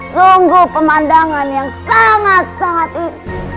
sungguh pemandangan yang sangat sangat indah